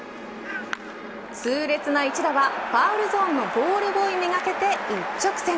痛烈な一打はファウルゾーンのボールボーイめがけて一直線。